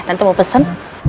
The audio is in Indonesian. tante mau pesen